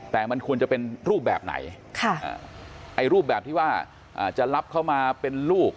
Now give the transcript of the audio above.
แต่มันควรจะเป็นรูปแบบไหนรูปแบบที่ว่าจะรับเขามาเป็นลูก